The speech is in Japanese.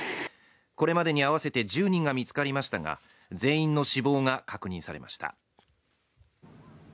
これまでに合わせて１０人が見つかりましたが全員の死亡が確認されました。